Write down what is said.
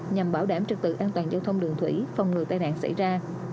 nhằm bảo đảm trực tự an toàn giao thông đường thủy phòng ngừa tai nạn xảy ra